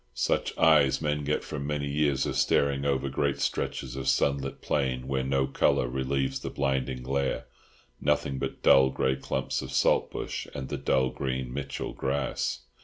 Such eyes men get from many years of staring over great stretches of sunlit plain where no colour relieves the blinding glare—nothing but dull grey clumps of saltbush and the dull green Mitchell grass.